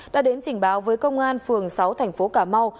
đã đến trình báo với công an phường sáu thành phố cà mau